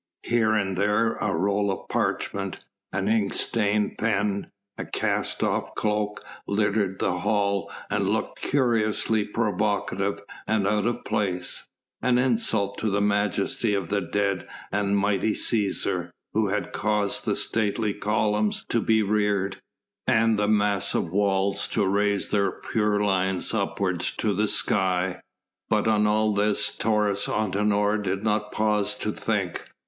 Here and there a roll of parchment, an ink stained pen, a cast off cloak littered the hall and looked curiously provocative and out of place an insult to the majesty of the dead and mighty Cæsar, who had caused the stately columns to be reared, and the massive walls to raise their pure lines upwards to the sky. But on all this Taurus Antinor did not pause to think.